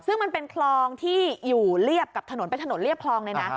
ซึ่งมันเป็นคลองที่อยู่เรียบกับถนนเป็นถนนเรียบคลองเลยนะ